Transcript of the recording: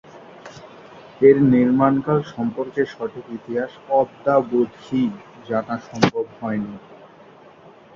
এর নির্মাণকাল সম্পর্কে সঠিক ইতিহাস অদ্যাবধি জানা সম্ভব হয়নি।